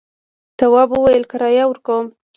تواب وویل کرايه ورکوم.